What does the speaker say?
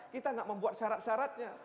kita tidak membuat syarat syaratnya